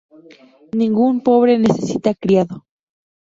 Ningún pobre necesita criado